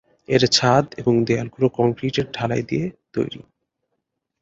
এর ছাদ এবং দেয়ালগুলো কংক্রিটের ঢালাই দিয়ে তৈরি।